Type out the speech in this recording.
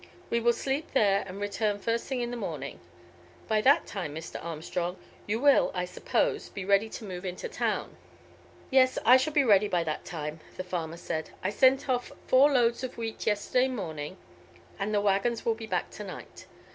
We will sleep there and return the first thing in the morning. By that time, Mr. Armstrong, you will, I suppose, be ready to move into town." "Yes, I shall be ready by that time," the farmer said. "I sent off four loads of wheat yesterday morning, and the waggons will be back to night.